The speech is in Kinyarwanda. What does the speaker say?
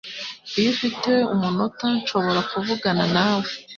Iyo ufite umunota, nshobora kuvugana nawe?